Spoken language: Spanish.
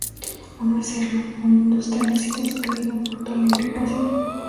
Uno es Herman, un industrial exitoso que vive en Porto Alegre, Brasil.